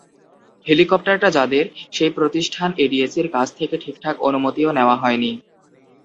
হেলিকপ্টারটা যাদের, সেই প্রতিষ্ঠান এডিএসির কাছ থেকে ঠিকঠাক অনুমতিও নেওয়া হয়নি।